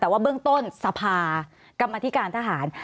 แต่ว่าเบื้องต้นสภากรรมธิการทหาร